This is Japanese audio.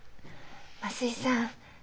増井さん